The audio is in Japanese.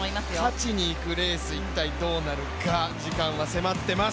勝ちにいくレース、一体どうなるか、時間は迫ってます。